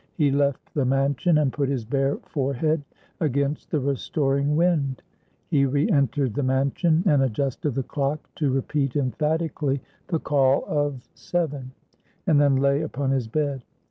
He left the mansion, and put his bare forehead against the restoring wind. He re entered the mansion, and adjusted the clock to repeat emphatically the call of seven; and then lay upon his bed.